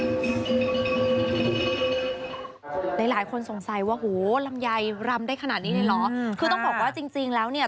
หลายคนสงสัยว่าโหลำไยรำได้ขนาดนี้เลยเหรอคือต้องบอกว่าจริงจริงแล้วเนี่ย